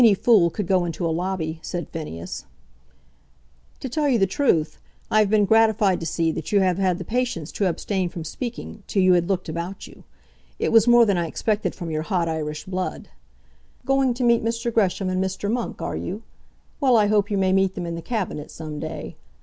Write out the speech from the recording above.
"Any fool could go into a lobby," said Phineas. "To tell you the truth, I have been gratified to see that you have had the patience to abstain from speaking till you had looked about you. It was more than I expected from your hot Irish blood. Going to meet Mr. Gresham and Mr. Monk, are you? Well, I hope you may meet them in the Cabinet some day.